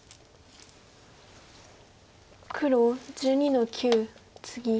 黒１２の九ツギ。